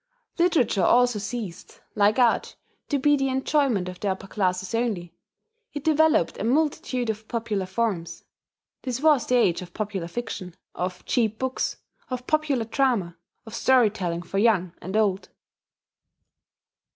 Literature also ceased, like art, to be the enjoyment of the upper classes only: it developed a multitude of popular forms. This was the age of popular fiction, of cheap books, of popular drama, of storytelling for young and old....